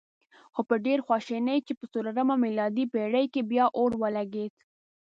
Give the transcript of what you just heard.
خو په ډېرې خواشینۍ چې په څلورمه میلادي پېړۍ کې بیا اور ولګېد.